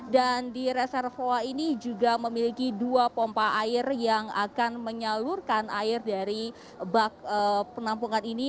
dan di reservoir ini juga memiliki dua pompa air yang akan menyalurkan air dari bak penampungan ini